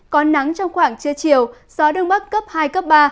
có nắng trong khoảng trưa chiều gió đông bắc cấp hai cấp ba